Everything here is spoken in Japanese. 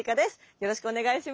よろしくお願いします。